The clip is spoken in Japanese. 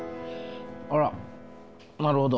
あらなるほど。